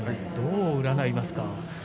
どう占いますか。